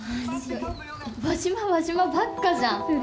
輪島、輪島ばっかじゃん。